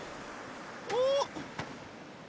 おっ！